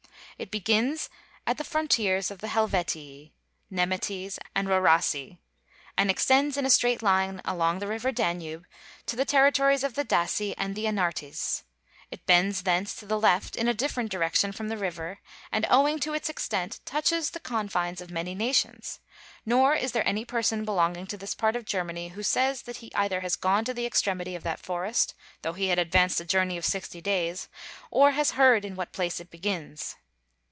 It begins at the frontiers of the Helvetii, Nemetes, and Rauraci, and extends in a right line along the river Danube to the territories of the Daci and the Anartes; it bends thence to the left in a different direction from the river, and owing to its extent, touches the confines of many nations; nor is there any person belonging to this part of Germany who says that he either has gone to the extremity of that forest, though he had advanced a journey of sixty days, or has heard in what place it begins.